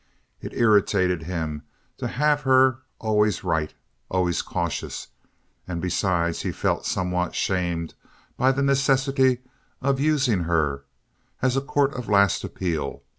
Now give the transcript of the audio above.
It irritated him to have her always right, always cautious, and besides he felt somewhat shamed by the necessity of using her as a court of last appeal.